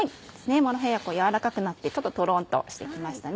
モロヘイヤ軟らかくなってちょっとトロンとして来ましたね。